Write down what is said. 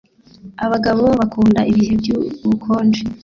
Abagabo bakunda ibihe byubukonje